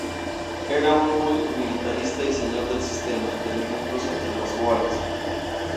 Era un muy militarista y Señor del Sistema, temido incluso entre los Goa'uld.